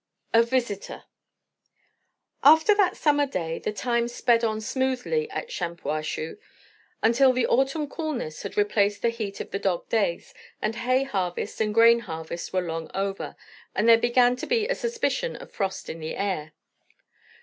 A VISITOR. After that summer day, the time sped on smoothly at Shampuashuh; until the autumn coolness had replaced the heat of the dog days, and hay harvest and grain harvest were long over, and there began to be a suspicion of frost in the air.